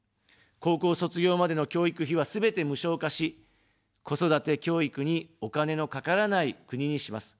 高校卒業までの教育費は、すべて無償化し、子育て、教育にお金のかからない国にします。